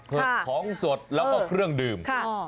ของสดแล้วก็เครื่องดื่ม